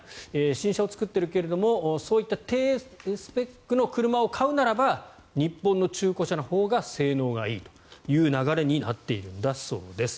新車を作っているけれどそういった低スペックの車を買うならば日本の中古車のほうが性能がいいという流れになっているんだそうです。